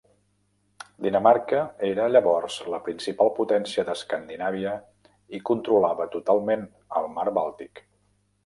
Dinamarca era llavors la principal potència d'Escandinàvia i controlava totalment el Mar Bàltic.